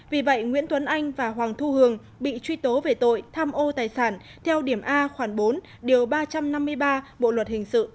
vì vậy nguyễn tuấn anh và hoàng thu hường bị truy tố về tội tham ô tài sản theo điểm a khoảng bốn điều ba trăm năm mươi ba bộ luật hình sự